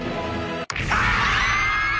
ああ！